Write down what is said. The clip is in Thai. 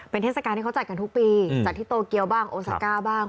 เป็นเทศกาลที่เขาจัดกันทุกปีจัดที่โตเกียวบ้างโอซาก้าบ้าง